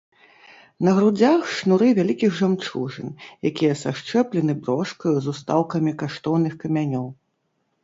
На грудзях шнуры вялікіх жамчужын, якія сашчэплены брошкаю з устаўкамі каштоўных камянёў.